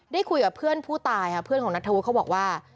คุยกับเพื่อนผู้ตายค่ะเพื่อนของนัทธวุฒิเขาบอกว่า